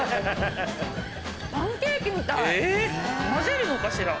混ぜるのかしら？